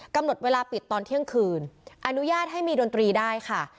กำหนดเวลาปิดตอนเที่ยงคืนอนุญาตให้มีดนตรีได้ค่ะ